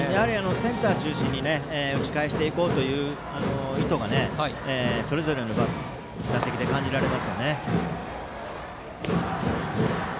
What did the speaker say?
センター中心に打ち返していこうという意図がそれぞれの打席で感じられますね。